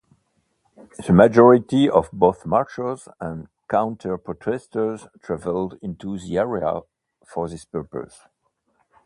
The majority of both marchers and counter-protesters travelled into the area for this purpose.